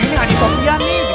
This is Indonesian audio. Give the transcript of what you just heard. ini adi sopya nih